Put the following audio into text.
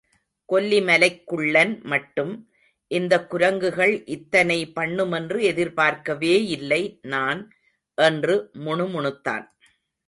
கொல்லிமலைக் குள்ளன் மட்டும், இந்தக் குரங்குகள் இத்தனை பண்ணுமென்று எதிர்பார்க்கவேயில்லை நான், என்று முணுமுணுத்தான்.